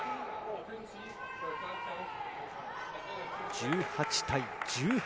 １８対１８。